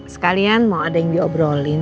sekalian mau ada yang diobrolin